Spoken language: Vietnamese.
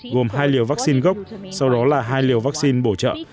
gồm hai liều vaccine gốc sau đó là hai liều vaccine bổ trợ